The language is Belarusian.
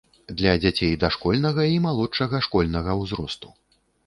Для дзяцей дашкольнага і малодшага школьнага ўзросту.